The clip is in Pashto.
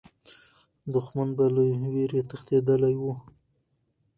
دښمن به له ویرې تښتېدلی وو.